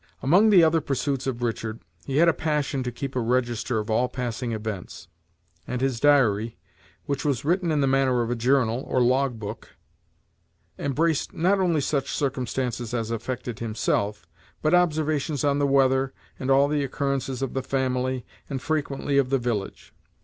Among the other pursuits of Richard, he had a passion to keep a register of all passing events; and his diary, which was written in the manner of a journal, or log book, embraced not only such circumstances as affected himself, but observations on the weather, and all the occurrences of the family, and frequently of the village.